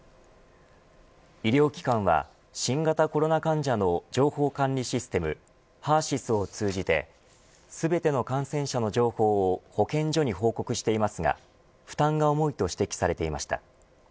医療機関は新型コロナ患者の情報管理システムＨＥＲ‐ＳＹＳを通じて全ての感染者の情報を保健所に報告していますが負担が重いと指摘されていました。